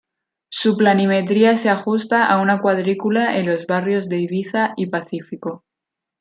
Su planimetría se ajusta a una cuadrícula en los barrios de Ibiza y Pacífico.